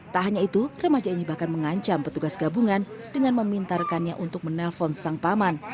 tak hanya itu remaja ini bahkan mengancam petugas gabungan dengan meminta rekannya untuk menelpon sang paman